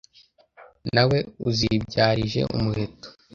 na we uzibyarije umuheto.